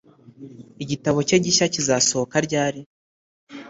Igitabo cye gishya kizasohoka ryari